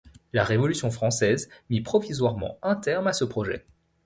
La Révolution française mit provisoirement un terme à ce projet.